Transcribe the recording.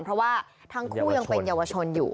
เพราะว่าทั้งคู่ยังเป็นเยาวชนอยู่